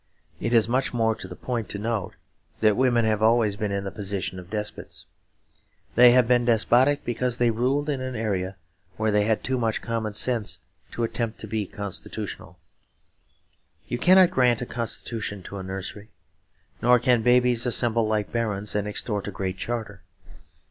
It is much more to the point to note that women have always been in the position of despots. They have been despotic because they ruled in an area where they had too much common sense to attempt to be constitutional. You cannot grant a constitution to a nursery; nor can babies assemble like barons and extort a Great Charter.